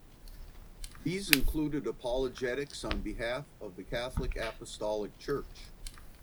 These included apologetics on behalf of the Catholic Apostolic Church.